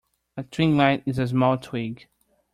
A twiglet is a small twig.